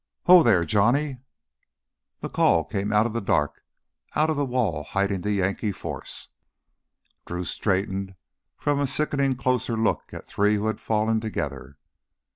"Ho there Johnny!" The call came out of the dark, out of the wall hiding the Yankee forces. Drew straightened from a sickening closer look at three who had fallen together.